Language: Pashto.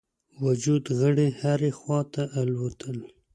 وجود غړي هري خواته الوتل.